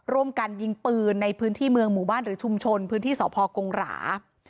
ร่วมกันยิงปืนในพื้นที่สพกรองหรา